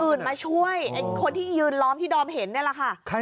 อื่นมาช่วยคนที่ยืนล้อมที่ดอมเห็นนี่แหละค่ะ